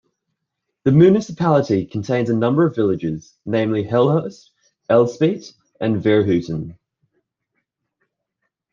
The municipality contains a number of villages, namely Hulshorst, Elspeet, and Vierhouten.